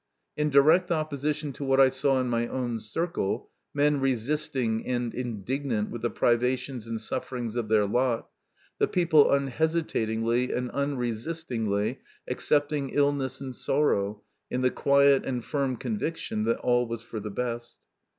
In direct opposition to what I saw in my own circle men resisting and indignant with the privations and sufferings of their lot the people unhesitatingly and unresistingly accepting illness and sorrow, in the quiet and firm conviction that all was for the best.